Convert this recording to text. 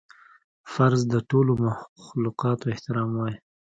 فرض د ټولو مخلوقاتو احترام وای